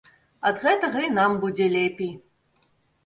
Ад гэтага і нам будзе лепей.